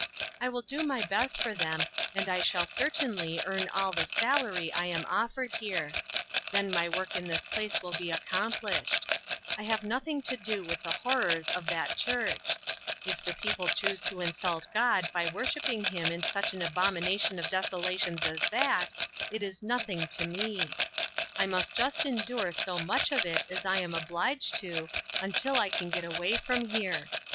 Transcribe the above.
I will do my best for them, and I shall certainly 76 INTERRUPTED. earn all the salar} T I am offered here; then my work in this place will be accomplished. I have nothing to do with the horrors of that church. If the people choose to insult God by worshiping him in such an abomin ation of desolations as that, it is nothing to me. I must just endure so much of it ;is I am obliged to, until I can get away fixm here.